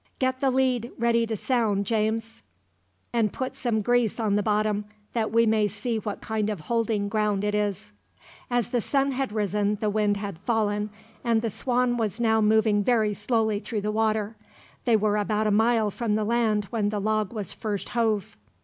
"Get the lead ready to sound, James, and put some grease on the bottom, that we may see what kind of holding ground it is." As the sun had risen the wind had fallen, and the Swan was now moving very slowly through the water. They were about a mile from the land when the log was first hove.